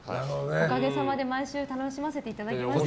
おかげさまで毎週楽しませていただきました。